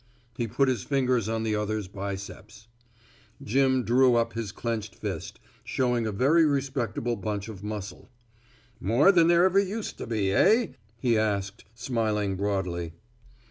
He put his fingers on the other's biceps. Jim drew up his clenched fist, showing a very respectable bunch of muscle. "More than there ever used to be, eh?" he asked, smiling broadly.